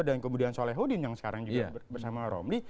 dan kemudian solehudin yang sekarang bersama romli